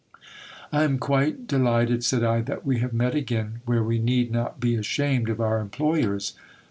I am quite delighted, said I, that we have met again, where we need not be ashamed of our employers.